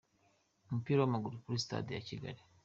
Umupira w’amaguru kuri stade ya Kigali.